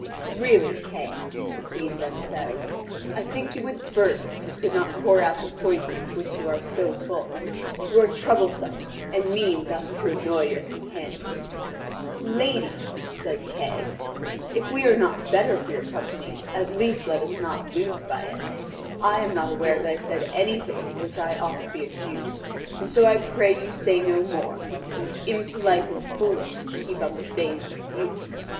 "Really, Kay," the Queen then says, "I think you would burst if you could not pour out the poison of which you are so full. You are troublesome and mean thus to annoy your companions." "Lady," says Kay, "if we are not better for your company, at least let us not lose by it. I am not aware that I said anything for which I ought to be accused, and so I pray you say no more. It is impolite and foolish to keep up a vain dispute.